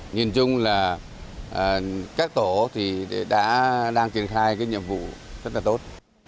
nhìn chung là các tổ thì đã đang triển khai cái nhiệm vụ rất là tốt